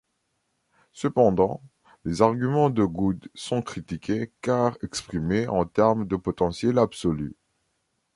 Cependant, les arguments de Good sont critiqués car exprimés en termes de potentiels absolus.